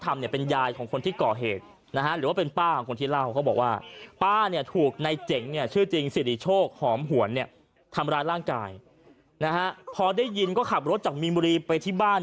ร่างกายนะฮะพอได้ยินก็ขับรถจากมีมุรีไปที่บ้าน